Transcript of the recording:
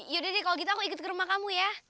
yaudah deh kalau gitu aku ikut ke rumah kamu ya